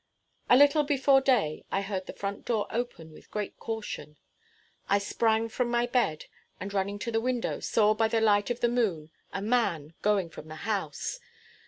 A little before day, I heard the front door open with great caution. I sprang from my bed, and, running to the window, saw by the light of the moon a man going from the house.